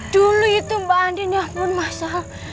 dulu itu mbak andin ya pun mas al